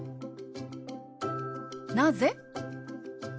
「なぜ？」。